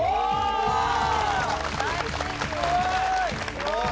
・すごーい！